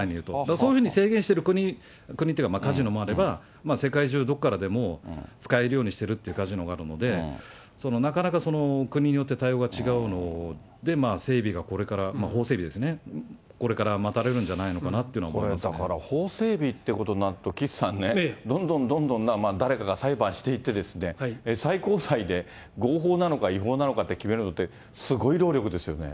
そういうふうに制限している国というかカジノもあれば、世界中どこからでも使えるようにしているカジノもあるので、そのなかなか国によって対応が違うので、整備がこれから、法整備ですね、これから待たれるんじゃないかなというのは。これだから、法整備ってことになると、岸さんね、どんどんどんどん誰かが裁判していって、最高裁で合法なのか違法なのか決めるのってすごい労力ですよね。